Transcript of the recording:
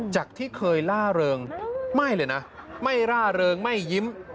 จากที่เคยล่าเริงไม่เลยนะไม่ร่าเริงไม่ยิ้ม